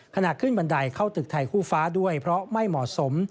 ขณะขึ้นบันไดเข้าตึกไทยคู่ฟ้าด้วยเพราะไม่เหมาะสม